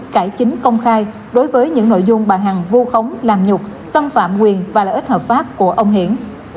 cải chính công khai đối với những nội dung bà hằng vu khống làm nhục xâm phạm quyền và lợi ích hợp pháp của ông hiển